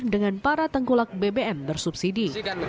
dengan para tengkulak bbm bersubsidi